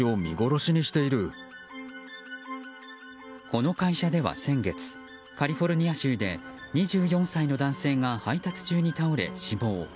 この会社では先月カリフォルニア州で２４歳の男性が配達中に倒れ死亡。